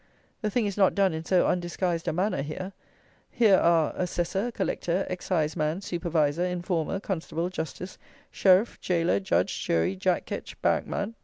The thing is not done in so undisguised a manner here: here are assessor, collector, exciseman, supervisor, informer, constable, justice, sheriff, jailor, judge, jury, jack ketch, barrack man.